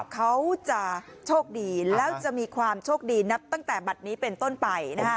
เขาจะโชคดีแล้วจะมีความโชคดีนับตั้งแต่บัตรนี้เป็นต้นไป